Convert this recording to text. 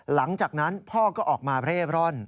หลังจากนั้นพ่อก็ออกมาเร่ร่อน